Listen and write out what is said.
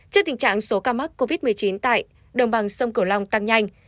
trước tình trạng số ca mắc covid một mươi chín tại đồng bằng sông cửu long tăng nhanh